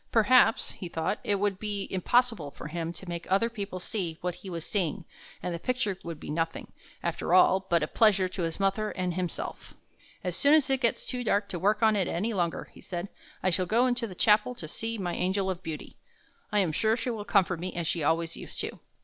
Perhaps, he thought, it would be impossible for him to make other people see what he was seeing, and the picture would be nothing, after all, but a pleasure to his mother and himself. 59 THE HUNT FOR THE BEAUTIFUL " As soon as it gets too dark to work on it any longer," he said, " I shall go into the chapel to see my Angel of Beauty. I am sure she will comfort me, as she always used to do."